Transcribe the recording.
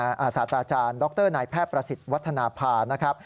สาธาราชาญดรไหน้แพทย์ประสิทธิ์วัฒนภานะครับ